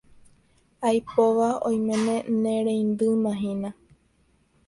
Aipóva oiméne nereindymahína.